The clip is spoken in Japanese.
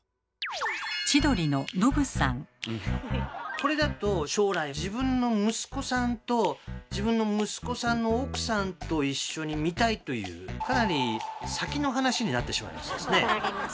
これだと将来自分の息子さんと自分の息子さんの奥さんと一緒に見たいというかなり先の話になってしまいますですね。